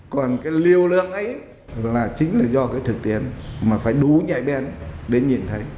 đó là chính lý do thực tiến mà phải đú nhạy bên để nhìn thấy